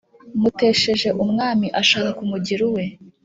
mutesheje umwami ashaka kumugira uwe